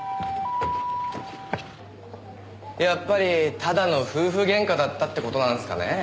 やっぱりただの夫婦ゲンカだったって事なんすかねぇ。